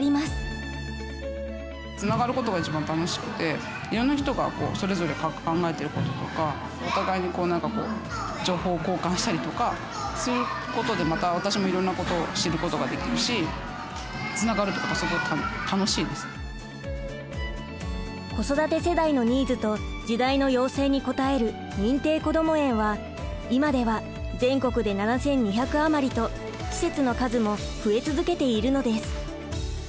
つながることが一番楽しくていろんな人がそれぞれ考えてることとかお互いに何かこう情報交換したりとかそういうことでまた私もいろんなことを知ることができるし子育て世代のニーズと時代の要請に応える認定こども園は今では全国で７，２００余りと施設の数も増え続けているのです。